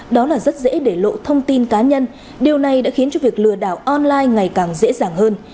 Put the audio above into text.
đó là rất dễ để lộ thông tin cá nhân điều này đã khiến cho việc lừa đảo online ngày càng dễ dàng hơn